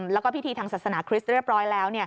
แล้วก็พิธีทางศาสนาคริสต์เรียบร้อยแล้ว